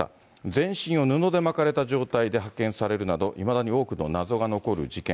全身を布で巻かれた状態で発見されるなど、いまだに多くの謎が残る事件。